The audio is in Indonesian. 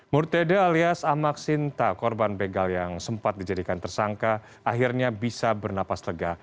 murtede alias ahmad sinta korban begal yang sempat dijadikan tersangka akhirnya bisa bernapas lega